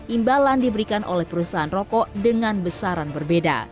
imbalan diberikan oleh perusahaan rokok dengan besaran berbeda